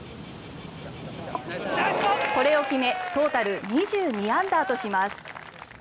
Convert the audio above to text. これを決めトータル２２アンダーとします。